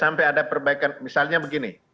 sampai ada perbaikan misalnya begini